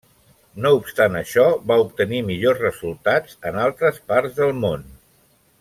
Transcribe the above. No obstant això, va obtenir millors resultats en altres parts del món.